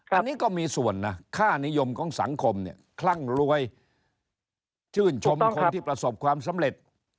อันนี้ก็มีส่วนนะค่านิยมของสังคมเนี่ยคลั่งรวยชื่นชมคนที่ประสบความสำเร็จ